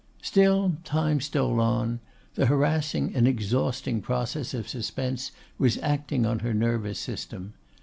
Still time stole on: the harassing and exhausting process of suspense was acting on her nervous system.